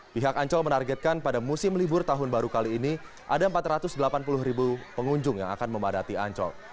pihak ancol menargetkan pada musim libur tahun baru kali ini ada empat ratus delapan puluh ribu pengunjung yang akan memadati ancol